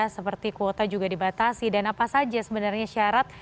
seperti kuota juga dibatasi dan apa saja sebenarnya syarat